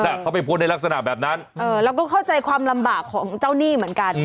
เขาไปโพสต์ในลักษณะแบบนั้นเออเราก็เข้าใจความลำบากของเจ้าหนี้เหมือนกัน